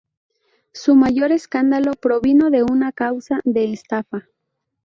Su mayor escándalo provino de una causa de estafa.